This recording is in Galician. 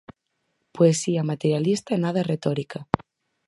Poesía materialista e nada retórica.